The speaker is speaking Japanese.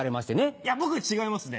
いや僕違いますね。